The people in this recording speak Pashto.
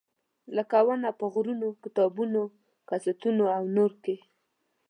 لکه ونه په غرونه، کتابونه، کساتونه او نور کې.